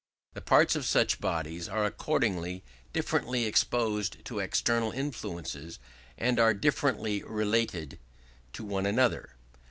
The parts of such bodies are accordingly differently exposed to external influences and differently related to one another.